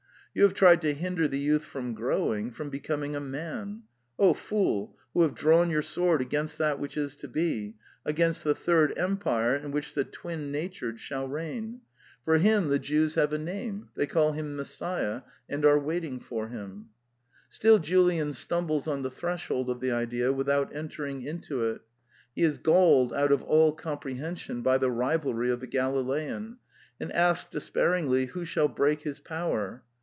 You have tried to hinder the youth from growing: from becoming a man. Oh fool, who have drawn your sword against that which is to be : against the third empire, in which the twin natured shall reign. For him the Jews have a ^ Or, as we should now say, the Supennan. (191 2.) The Plays 75 name. They call him Messiah, and are waiting for him." Still Julian stumbles on the threshold of the idea without entering into it. He is galled out of all comprehension by the rivalry of the Galilean, and asks despairingly who shall break his power.